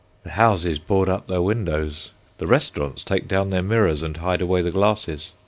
The houses board up their windows. The restaurants take down their mirrors and hide away the glasses.